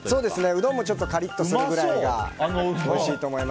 うどんもカリッとするくらいがおいしいと思います。